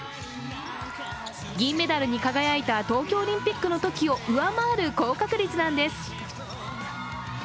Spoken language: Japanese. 銀メダルに輝いた東京オリンピックのときを上回る高確率なんです。